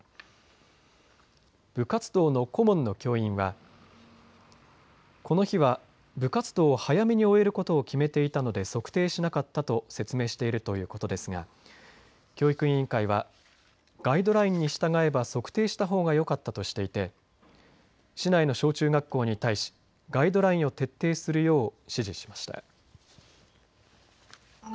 部活動の顧問の教員はこの日は部活動を早めに終えることを決めていたので測定しなかったと説明しているということですが教育委員会はガイドラインに従えば測定したほうがよかったとしていて市内の小中学校に対しガイドラインを徹底するよう指示しました。